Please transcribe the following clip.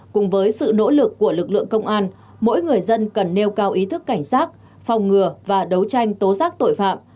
cùng với sự nỗ lực của lực lượng công an mỗi người dân cần nêu cao ý thức cảnh giác phòng ngừa và đấu tranh tố giác tội phạm